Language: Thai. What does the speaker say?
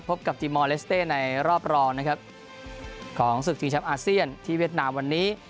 กับจีมอลเลสเต้ในรอบรองนะครับของศึกชิงแชมป์อาเซียนที่เวียดนามวันนี้